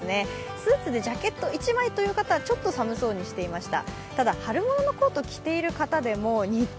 スーツでジャケット１枚という方はちょっと寒そうにしていました。